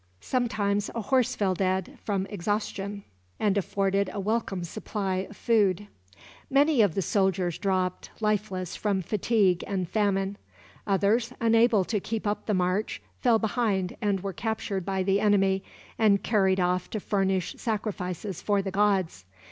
Sometimes a horse fell dead, from exhaustion, and afforded a welcome supply of food. Many of the soldiers dropped, lifeless from fatigue and famine. Others, unable to keep up the march, fell behind and were captured by the enemy, and carried off to furnish sacrifices for the gods.